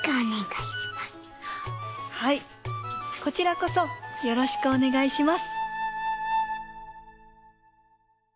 はいこちらこそよろしくおねがいします。